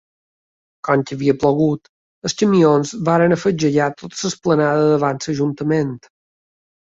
Com que havia plogut, els camions van afetgegar tota l'esplanada de davant de l'ajuntament.